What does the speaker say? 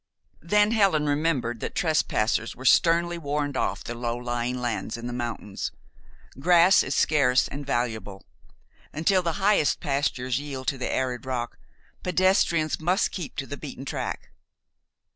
_" Then Helen remembered that trespassers are sternly warned off the low lying lands in the mountains. Grass is scarce and valuable. Until the highest pastures yield to the arid rock, pedestrians must keep to the beaten track.